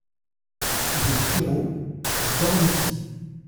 Rue Thirault à Dornecy